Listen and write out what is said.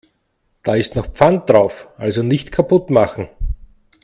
Da ist noch Pfand drauf, also nicht kaputt machen.